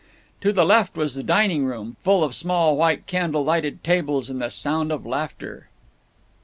To the left was the dining room, full of small white candle lighted tables and the sound of laughter.